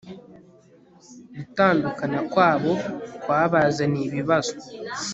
Gutandukana kwabo kwabazaniye ibibazo